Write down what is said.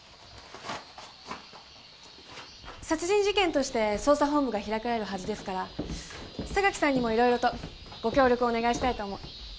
殺人事件として捜査本部が開かれるはずですから榊さんにも色々とご協力をお願いしたいと思う。